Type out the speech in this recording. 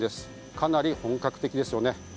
かなり本格的ですよね。